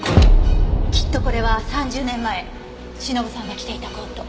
きっとこれは３０年前忍さんが着ていたコート。